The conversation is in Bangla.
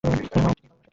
জানো অক্টি কী ভালোবাসে?